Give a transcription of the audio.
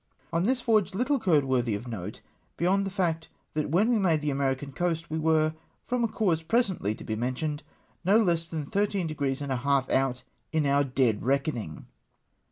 On tliis voyage Httle occurred worthy of note, beyond the fact that when we made the American coast we were, from a cause presently to be mentioned, no less tlian thirteen degrees and a half out in om^ dead reckoning